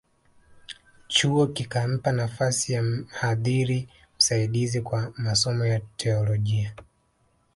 Chuo kikampa nafasi ya mhadhiri msaidizi kwa masomo ya Teolojia